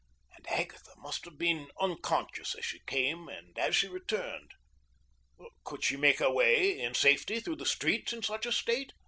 And Agatha must have been unconscious as she came and as she returned. Could she make her way in safety through the streets in such a state?